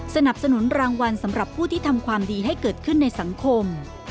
สนับสนุนรางวัลสำหรับผู้ที่ทำความดีให้เกิดขึ้นในสังคม